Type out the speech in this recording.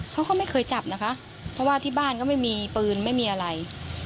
เพราะว่าที่บ้านก็ไม่มีปืนไม่มีอะไร